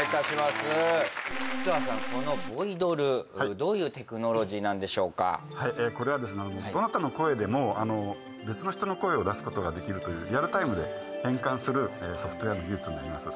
このボイドルどういうテクノロジーなんでしょうかはいこれはですねどなたの声でも別の人の声を出すことができるというリアルタイムで変換するソフトウェアの技術になります